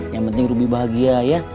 yang penting ruby bahagia ya